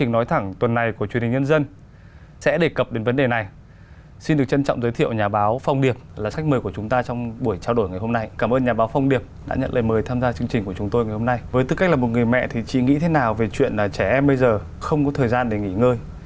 như cách là một người mẹ thì chị nghĩ thế nào về chuyện là trẻ em bây giờ không có thời gian để nghỉ ngơi